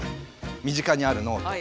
身近にあるノート。